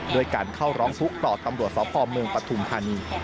โดยการเข้าร้องทุกข์ต่อตำรวจสภมปฐุมธนีย์